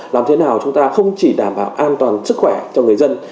làm thế nào chúng ta không chỉ đảm bảo an toàn sức khỏe cho người dân